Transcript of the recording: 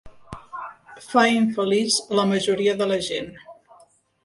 Fa infeliç a la majoria de la gent.